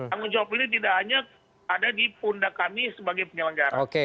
tanggung jawab ini tidak hanya ada di pundak kami sebagai penyelenggara